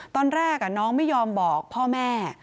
ตอนแรกน้องไม่ยอมบอกพ่อแม่